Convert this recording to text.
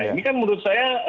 ini kan menurut saya